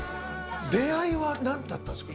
出会いはなんだったんですか？